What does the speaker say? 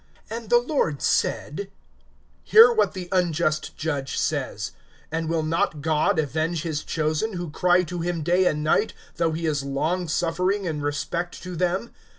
(6)And the Lord said: Hear what the unjust judge says. (7)And will not God avenge his chosen, who cry to him day and night, though he is long suffering in respect to them?